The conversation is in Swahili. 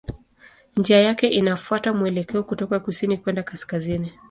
Njia yake inafuata mwelekeo kutoka kusini kwenda kaskazini.